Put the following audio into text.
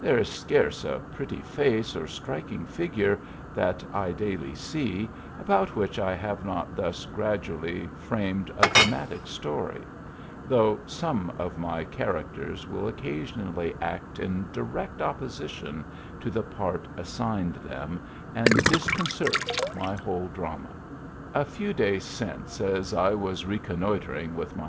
There is scarce a pretty face or striking figure that I daily see, about which I have not thus gradually framed a dramatic story ; though some of my characters will occasionally act in direct opposition to the part assigned them, and disconcert my whole drama. A few clays since as I was reconnoitring with my g